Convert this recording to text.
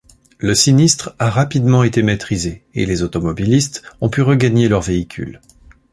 Le sinistre a rapidement été maîtrisé et les automobilistes ont pu regagner leurs véhicules.